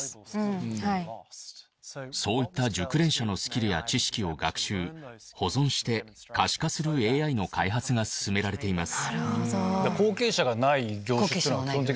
熟練者のスキルや知識を学習保存して可視化するＡＩの開発が進められています。